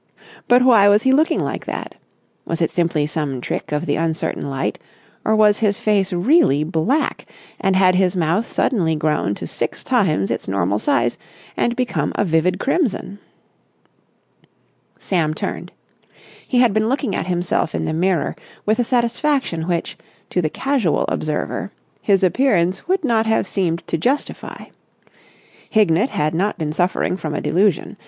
But why was he looking like that? Was it simply some trick of the uncertain light, or was his face really black and had his mouth suddenly grown to six times its normal size and become a vivid crimson? Sam turned. He had been looking at himself in the mirror with a satisfaction which, to the casual observer, his appearance would not have seemed to justify. Hignett had not been suffering from a delusion.